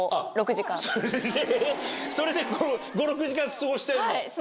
それで５６時間過ごしてんの？